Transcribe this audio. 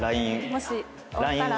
もし終わったら。